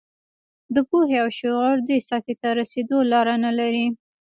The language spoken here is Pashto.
د پوهې او شعور دې سطحې ته رسېدو لاره نه لري.